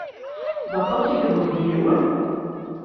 D aṭas i yeḍleb yiwen?